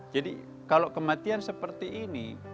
jadi kalau kematian seperti ini